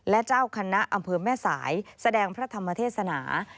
และเจ้าคณะอำเภอแม่สายแสดงพระธรรมเทศนา